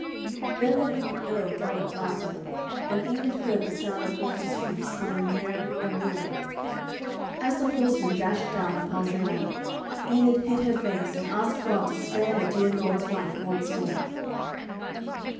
Then the wicked Earl galloped after them, and Enid heard the sound of horse's hoofs coming nearer and nearer. As the horseman dashed down upon Geraint, Enid hid her face, and asked God to spare her dear lord's life once more.